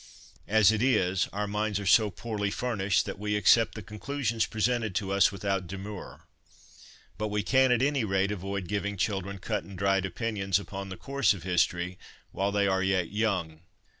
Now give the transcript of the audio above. As it is, our minds are so poorly furnished that we accept the conclusions presented to us without demur ; but we can, at any rate, avoid giving children cut and dried opinions upon the course of history while they are yet young.